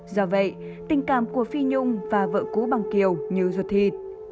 do vậy tình cảm của phi nhung và vợ cũ bằng kiều như ruột thi